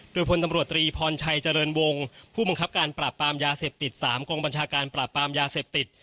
โดยผลตำรวจตรีพรชัยเจริญวงผู้บังคับการปราบปามยาเสพติด